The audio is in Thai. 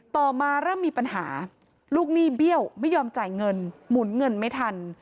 ต่อมาเริ่มมีปัญหาลูกหนี้เบี้ยวไม่ยอมจ่ายเงินหมุนเงินไม่ทัน